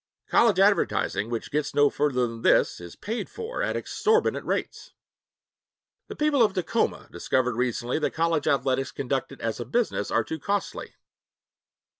College advertising which gets no further than this is paid for at exorbitant rates. The people of Tacoma discovered recently that college athletics conducted as a business are too costly.